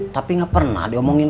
tapi gak pernah diomongin